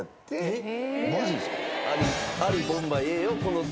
えっ？